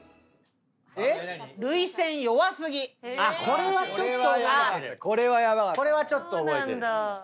これはちょっと覚えてる。